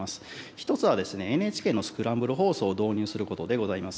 １つは、ＮＨＫのスクランブル放送を導入することでございます。